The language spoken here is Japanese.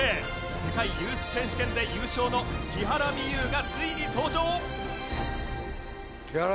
世界ユース選手権で優勝の木原美悠がついに登場。